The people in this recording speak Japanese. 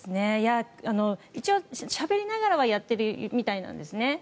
一応、しゃべりながらやっているみたいなんですね。